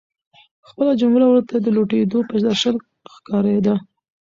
خپله جونګړه ورته د لوټېدو په درشل ښکارېده.